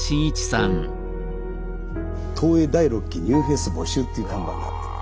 「東映第６期ニューフェイス募集」っていう看板があった。